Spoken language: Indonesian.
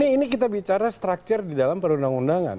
ini kita bicara structure di dalam perundang undangan